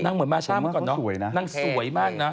นั่งเหมือนมากนั่งสวยมากนะ